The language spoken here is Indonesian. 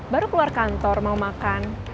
baru keluar kantor mau makan